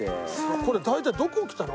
これ大体どこへ来たの？